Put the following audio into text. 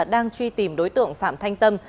đang truy tìm đối tượng phạm thanh tâm